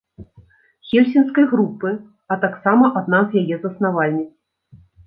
Хельсінскай групы, а таксама адна з яе заснавальніц.